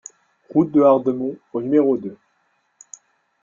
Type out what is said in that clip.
Route de Hardemont au numéro deux